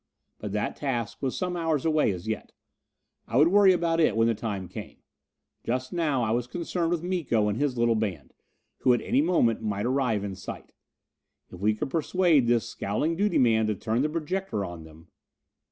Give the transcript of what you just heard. But that task was some hours away as yet; I would worry about it when the time came. Just now I was concerned with Miko and his little band, who at any moment might arrive in sight. If we could persuade this scowling duty man to turn the projector on them....